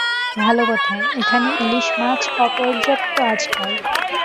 ভাল কথা, এখানে ইলিস মাছ অপর্যাপ্ত আজকাল।